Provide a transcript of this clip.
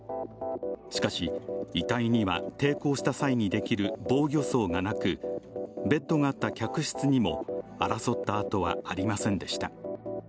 しかし、遺体には抵抗した際にできる防御創がなく、ベッドがあった客室にも争ったあとはありませんでした。